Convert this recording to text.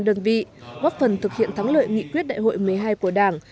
đơn vị góp phần thực hiện thắng lợi nghị quyết đại hội một mươi hai của đảng